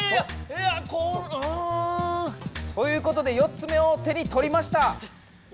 ということで４つ目を手にとりました。